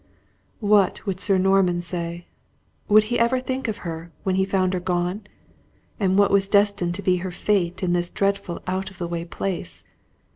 What would Sir Norman say? What would he ever think of her, when he found her gone. And what was destined to be her fate in this dreadful out of the way place?